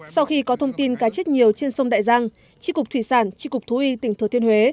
sau khi có thông tin cá chết nhiều trên sông đại giang tri cục thủy sản tri cục thú y tỉnh thừa thiên huế